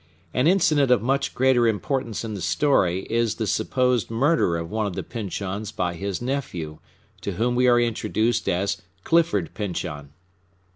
An incident of much greater importance in the story is the supposed murder of one of the Pyncheons by his nephew, to whom we are introduced as Clifford Pyncheon.